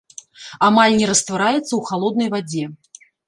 Амаль не раствараецца ў халоднай вадзе.